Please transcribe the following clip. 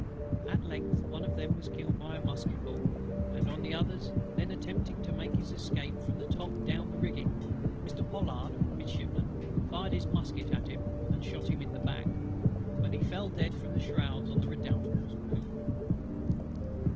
At length one of them was killed by a musket ball: and on the other's then attempting to make his escape from the top down the rigging, Mr. POLLARD (Midshipman) fired his musket at him, and shot him in the back; when he fell dead from the shrouds, on the Redoutable's poop.